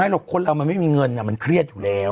หรอกคนเรามันไม่มีเงินมันเครียดอยู่แล้ว